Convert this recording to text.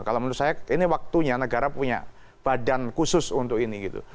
kalau menurut saya ini waktunya negara punya badan khusus untuk ini gitu